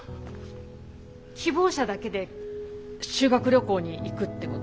希望者だけで修学旅行に行くってこと？